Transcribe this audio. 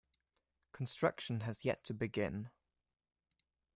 Construction has yet to begin.